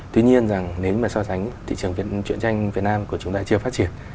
tuy nhiên rằng nếu mà so sánh thị trường chuyện tranh việt nam của chúng ta chưa phát triển